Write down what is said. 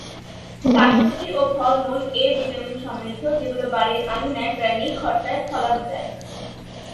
শাকসবজি ও ফলমূল ‘এ’ ভিটামিনসমৃদ্ধ, যেগুলি বাড়ির আঙিনায় প্রায় নিখরচায় ফলানো যায়।